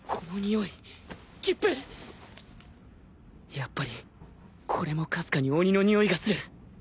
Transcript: やっぱりこれもかすかに鬼のにおいがする